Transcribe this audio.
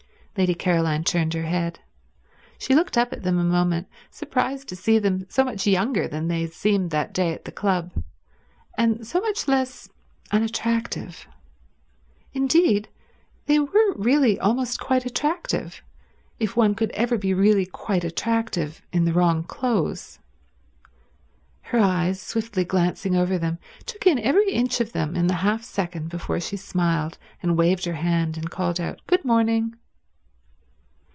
Lady Caroline turned her head. She looked up at them a moment, surprised to see them so much younger than they had seemed that day at the club, and so much less unattractive. Indeed, they were really almost quite attractive, if any one could ever be really quite attractive in the wrong clothes. Her eyes, swiftly glancing over them, took in every inch of each of them in the half second before she smiled and waved her hand and called out Good morning.